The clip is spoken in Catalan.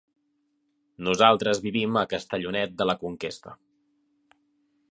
Nosaltres vivim a Castellonet de la Conquesta.